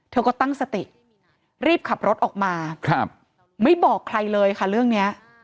เธอก็ตั้งสติรีบขับรถออกมาไม่บอกใครเลยค่ะเรื่องนี้